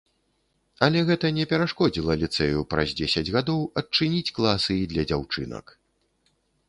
Але гэта не перашкодзіла ліцэю, праз дзесяць гадоў, адчыніць класы і для дзяўчынак.